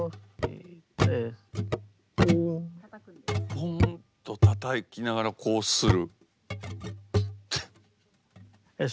ポンと叩きながらこうする？